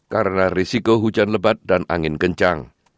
karena risiko hujan lebat dan angin kencang